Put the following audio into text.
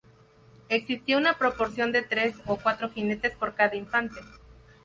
Existía una proporción de tres o cuatro jinetes por cada infante.